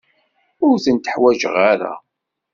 Ur ten-ḥwajeɣ ara.